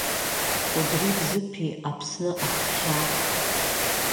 Кәыдри Бзыԥи Аԥсны аххьа.